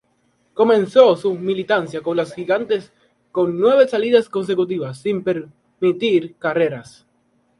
Comenzó su militancia con los Gigantes, con nueve salidas consecutivas sin permitir carreras.